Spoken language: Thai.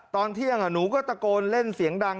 ตอนเที่ยงหนูก็ตะโกนเล่นเสียงดัง